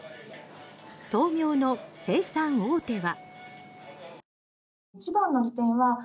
豆苗の生産大手は。